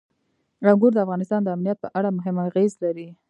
انګور د افغانستان د امنیت په اړه هم اغېز لري.